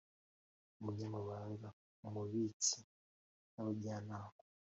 umunyamabanga umubitsi n abajyanama